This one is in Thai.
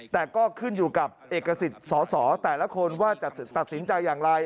แต่ก็ขึ้นอยู่กับเอกสิทธิ์สอสอแต่ละคนว่าจะตัดสินใจอย่างไร